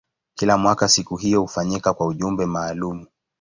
Kila mwaka siku hiyo hufanyika kwa ujumbe maalumu.